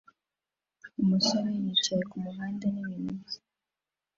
Umusore yicaye kumuhanda nibintu bye